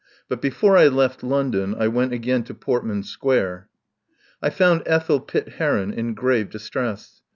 But before I left London I went again to Portman Square. I found Ethel Pitt Heron in grave distress.